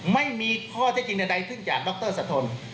ไม่มีข้อเท็จจริงใดขึ้นจากดรสะทน